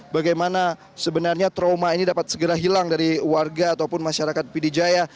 bagaimana sebenarnya trauma ini dapat segera hilang dari warga ataupun masyarakat pd jaya